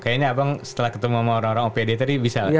kayaknya abang setelah ketemu sama orang orang opd tadi bisa